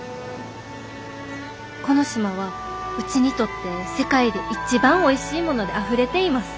この島はうちにとって世界で一番おいしいものであふれています」。